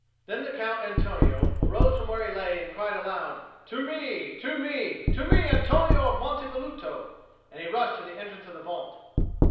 Then the Count Antonio arose from where he lay and he cried aloud, "To me, to me! To me, Antonio of Monte Velluto!" and he rushed to the entrance of the vault.